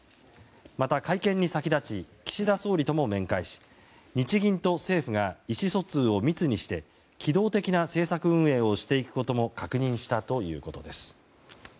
また、会見に先立ち岸田総理とも面会し日銀と政府が意思疎通を密にして機動的な政策運営をしていくことも確認したということです。